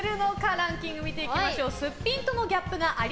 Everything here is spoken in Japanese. ランキングを見ていきましょう。